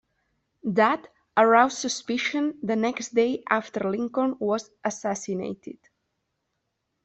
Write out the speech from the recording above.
That aroused suspicion the next day after Lincoln was assassinated.